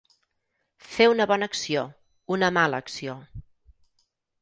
Fer una bona acció, una mala acció.